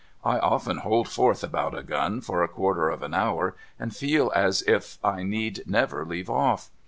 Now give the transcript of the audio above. I often hold forth about a gun for a quarter of an hour, and feel as if I need never leave off".